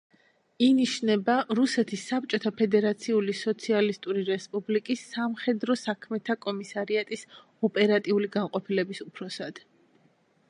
ინიშნება რსფსრ სამხედრო საქმეთა კომისარიატის ოპერატიული განყოფილების უფროსად.